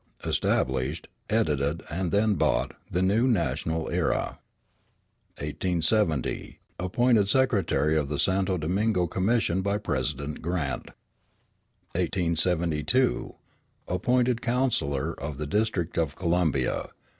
Established [Edited and then bought] the New National Era. 1870 Appointed secretary of the Santo Domingo Commission by President Grant. 1872 Appointed councillor of the District of Columbia.